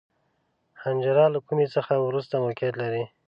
حنجره له کومي څخه وروسته موقعیت لري.